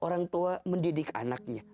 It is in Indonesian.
orang tua mendidik anaknya